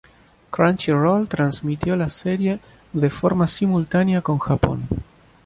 Crunchyroll transmitió la serie de forma simultánea con Japón.